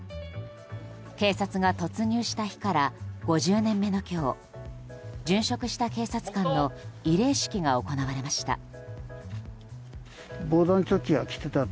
警察が突入した日から５０年目の今日殉職した警察官の慰霊式が行われました。